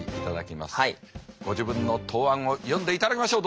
ご自分の答案を読んでいただきましょう。